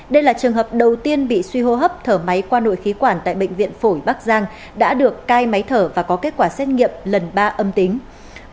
đây là trường hợp đầu tiên bị suy hô hấp thở máy qua nội khí quản tại bệnh viện phổi bắc giang đã được cai máy thở và có kết quả xét nghiệm lần ba âm tính